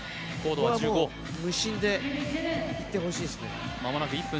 無心でいってほしいですね。